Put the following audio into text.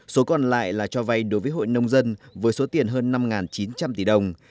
số còn lại là cho vay đối với hội nông dân với số tiền hơn năm chín trăm linh tỷ đồng